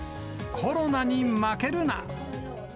コロナに負けるな。